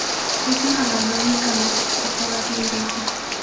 Es una banda únicamente de propagación diurna.